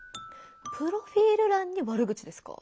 プロフィール欄に悪口ですか？